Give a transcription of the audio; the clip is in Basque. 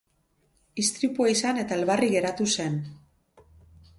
Istripua izan eta elbarri geratu zen.